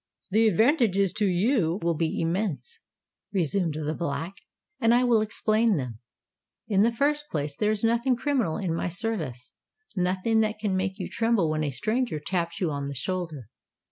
"The advantages to you will be immense," resumed the Black; "and I will explain them. In the first place, there is nothing criminal in my service—nothing that can make you tremble when a stranger taps you on the shoulder.